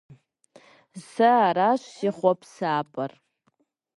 Сэ аращ си хъуапсапӀэр!